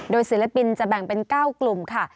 ศิลปินจะแบ่งเป็น๙กลุ่มค่ะ